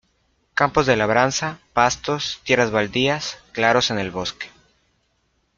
Campos de labranza, pastos, tierras baldías, claros en el bosque.